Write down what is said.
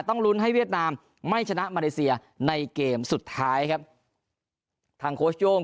ลุ้นให้เวียดนามไม่ชนะมาเลเซียในเกมสุดท้ายครับทางโค้ชโย่ง